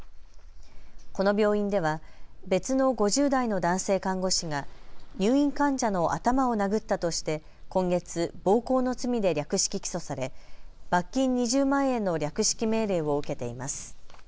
この病院では別の５０代の男性看護師が入院患者の頭を殴ったとして今月、暴行の罪で略式起訴され罰金２０万円の略式命令を受けています。